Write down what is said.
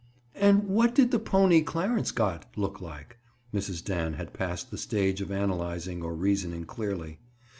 "And what did the pony Clarence got, look like?" Mrs. Dan had passed the stage of analyzing or reasoning clearly.